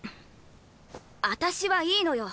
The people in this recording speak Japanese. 私はいいのよ。